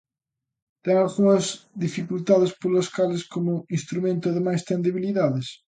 Ten algunhas dificultades, polas cales, como instrumento, ademais, ten debilidades.